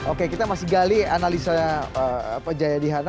oke kita masih gali analisanya pak jayadi hana